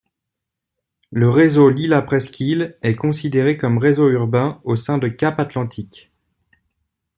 Le réseau Lila Presqu'île est considéré comme réseau urbain au sein de Cap Atlantique.